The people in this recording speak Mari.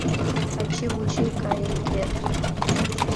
Ачи-вучи кайыкет